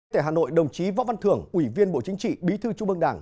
tại hà nội đồng chí võ văn thưởng ủy viên bộ chính trị bí thư trung ương đảng